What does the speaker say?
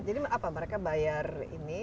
jadi apa mereka bayar ini